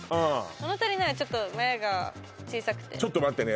物足りないはちょっと目が小さくてちょっと待ってね